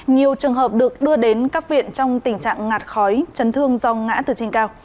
nhiều trường hợp được đưa đến các viện trong tình trạng ngạt khói chấn thương do ngã từ trên cao